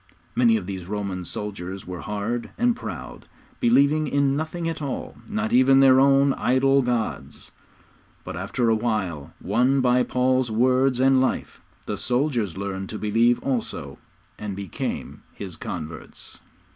Many of these Roman soldiers were hard and proud, believing in nothing at all, not even in their own idol gods; but after a while, won by Paul's words and life, the soldiers learned to believe also, and became his converts.